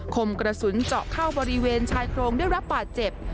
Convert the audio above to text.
คมกระสุนเจาะเข้าบริเวณชายโครงได้รับบาดเจ็บ